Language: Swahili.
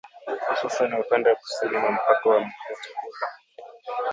Hususani upande wa kusini mwa mpaka wa Mutukula.